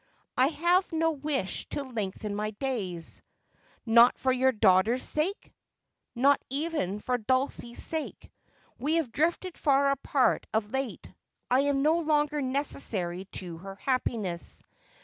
' I have no wish to lengthen my days.' ' Not for your daughter's sake '!'' Not even for Dulcie's sake. "We have drifted far apart of late. I am no longer necessary to her happiness.